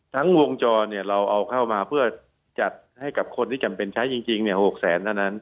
ทั้งวงจรเราเอาเข้ามาเพื่อจัดให้กับคนที่จำเป็นใช้จริง๖แสนเท่านั้น